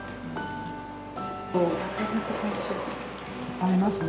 合いますね。